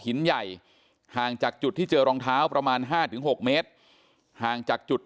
หินใหญ่ห่างจากจุดที่เจอรองเท้าประมาณ๕๖เมตรห่างจากจุด